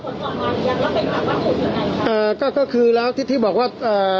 อันนี้ก็บอกว่าครับอ่าอ่าก็ก็คือแล้วที่ที่บอกว่าอ่า